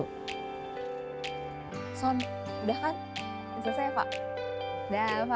bagaimana cara kita untuk masuk ke dalam suatu lingkungan kerja yang baru dan menyebabkan semangat inovasi tentu memerlukan strategi yang gitu